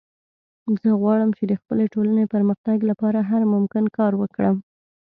زه غواړم چې د خپلې ټولنې د پرمختګ لپاره هر ممکن کار وکړم